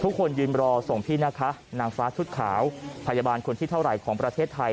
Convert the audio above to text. คนยืนรอส่งพี่นะคะนางฟ้าชุดขาวพยาบาลคนที่เท่าไหร่ของประเทศไทย